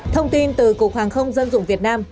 thông tin từ cục hàng không dân dụng việt nam